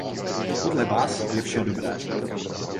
Podle vás je vše dobré.